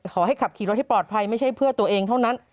ขอให้ขับขี่รถให้ปลอดภัยไม่ใช่เพื่อตัวเองเท่านั้น